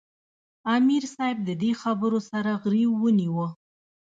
" امیر صېب د دې خبرو سره غرېو ونیوۀ ـ